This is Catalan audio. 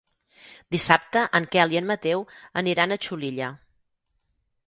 Dissabte en Quel i en Mateu aniran a Xulilla.